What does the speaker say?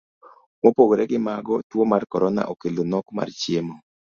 Mopogore gi mago, tuo mar korona okelo nok mar chiemo.